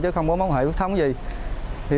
chứ không có quan hệ quốc thống gì